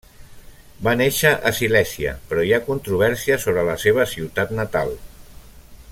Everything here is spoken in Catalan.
Va néixer a Silèsia, però hi ha controvèrsia sobre la seva ciutat natal.